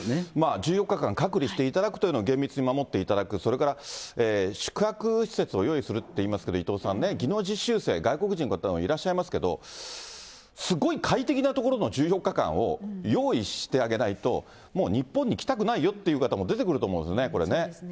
１４日間隔離していただくというのを厳密に守っていただく、それから宿泊施設を用意するっていいますけど、伊藤さんね、技能実習生、外国人の方もいらっしゃいますけれども、すごい快適な所の１４日間を用意してあげないと、もう日本に来たくないよという方も出てくると思うんですよね、こそうですね。